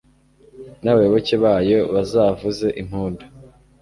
n’abayoboke bayo bazavuze impundu